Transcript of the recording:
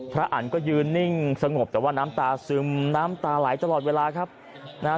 อันก็ยืนนิ่งสงบแต่ว่าน้ำตาซึมน้ำตาไหลตลอดเวลาครับนะฮะ